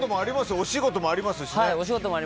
お仕事でもありますしね。